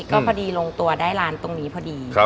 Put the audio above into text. ก็พอดีลงตัวได้ร้านตรงนี้พอดี